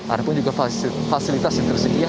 ada pun juga fasilitas yang tersedia